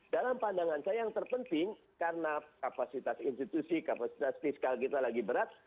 dalam pandangan saya yang terpenting karena kapasitas institusi kapasitas fiskal kita lagi berat